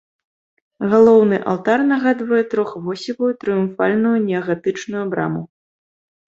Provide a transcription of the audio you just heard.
Галоўны алтар нагадвае трохвосевую трыумфальную неагатычную браму.